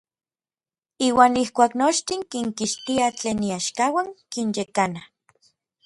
Iuan ijkuak nochtin kinkixtia tlen iaxkauan, kinyekana.